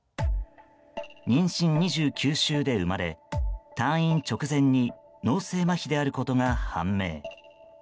妊娠２９週で生まれ、退院直前に脳性まひであることが判明。